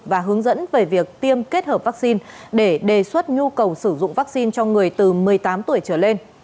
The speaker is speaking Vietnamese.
và hướng dẫn về việc tiêm kết hợp vaccine để đề xuất nhu cầu sử dụng vaccine cho người từ một mươi tám tuổi trở lên